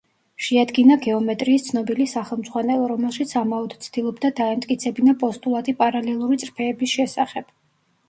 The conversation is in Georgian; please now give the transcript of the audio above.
შეადგინა გეომეტრიის ცნობილი სახელმძღვანელო, რომელშიც ამაოდ ცდილობდა დაემტკიცებინა პოსტულატი პარალელური წრფეების შესახებ.